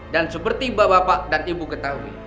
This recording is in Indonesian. dan seperti bapak bapak dan ibu ketahui